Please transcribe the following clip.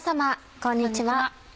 こんにちは。